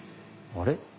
あれ？